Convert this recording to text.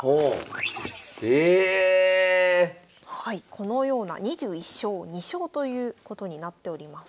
このような２１勝２勝ということになっております。